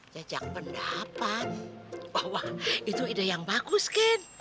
jajak pendapat wah itu ide yang bagus ken